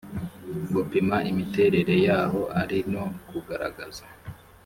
gupima imiterere y aho ari no kugaragaza